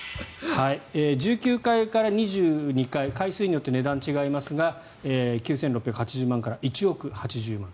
１９階から２２階階数によって値段が違いますが９６８０万円から１億８０万円。